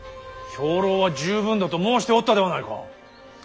兵糧は十分だと申しておったではないか。